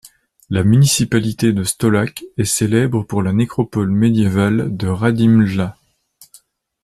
La municipalité de Stolac est célèbre pour la nécropole médiévale de Radimlja.